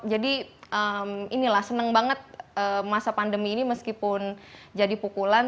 jadi inilah senang banget masa pandemi ini meskipun jadi pukulan